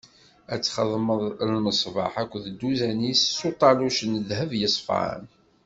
Ad txedmeḍ lmeṣbaḥ akked dduzan-is s uṭaluc n ddheb yeṣfan.